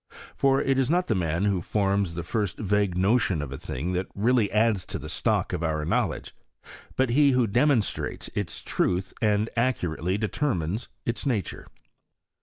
For it is not the man who forms the first vague no tion of a thing that really adds to the stock of our knowledge, but he who demonstrates its truth and accurately determines its nature.